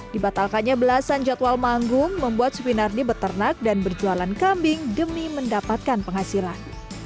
dibatalkannya belasan jadwal manggung membuat supinardi beternak dan berjualan kambing demi mendapatkan penghasilan